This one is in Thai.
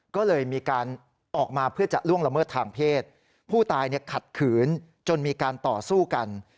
ก็เลยมีการออกมาเพื่อจะล่วงละเมิดทางเพศผู้ตายขัดขืนจนมีการต่อสู้กัน